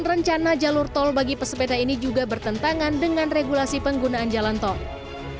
rencana jalur tol bagi pesepeda ini juga bertentangan dengan regulasi penggunaan jalan tol